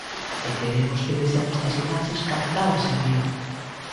E queremos que vexan estas imaxes captadas en Vigo.